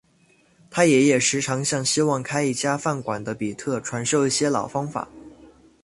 他爷爷时常向希望开一家饭馆的比特传授一些老方法。